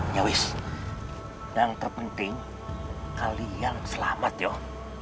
nyawis yang terpenting kalian selamat yo